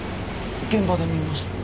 現場で見ました。